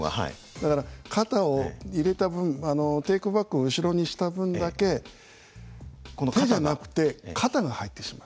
だから肩を入れた分テイクバックを後ろにした分だけ手じゃなくて肩が入ってしまう。